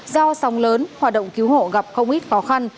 do sóng lớn hoạt động cứu hộ gặp không ít khó khăn